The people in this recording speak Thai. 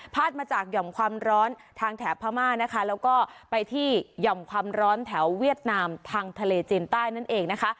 มาจากหย่อมความร้อนทางแถบพม่านะคะแล้วก็ไปที่หย่อมความร้อนแถวเวียดนามทางทะเลจีนใต้นั่นเองนะคะ